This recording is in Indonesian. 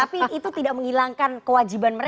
tapi itu tidak menghilangkan kewajiban mereka